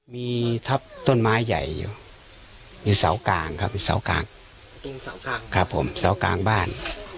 มีทับต้นไม้ใหญ่อยู่อยู่เสากลางครับตรงเสากลางบ้าน